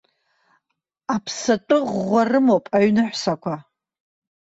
Аԥссатәы ӷәӷәа рымоуп аҩныҳәсақәа.